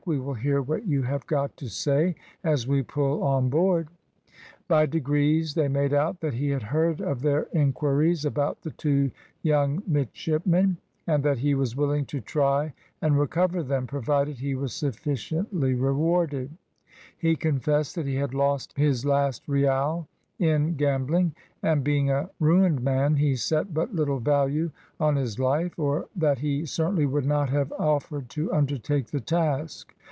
"We will hear what you have got to say as we pull on board." By degrees they made out that he had heard of their inquiries about the two young midshipmen, and that he was willing to try and recover them, provided he was sufficiently rewarded; he confessed that he had lost his last real in gambling, and, being a ruined man, he set but little value on his life, or that he certainly would not have offered to undertake the task.